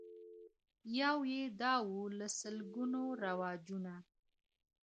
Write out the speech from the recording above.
يو يې دا وو له سلگونو رواجونو